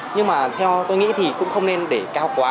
nhưng mà theo tôi nghĩ thì cũng không nên để cao quá